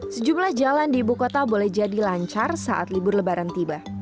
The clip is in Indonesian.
sejumlah jalan di ibu kota boleh jadi lancar saat libur lebaran tiba